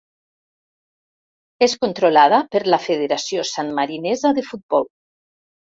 És controlada per la Federació Sanmarinesa de Futbol.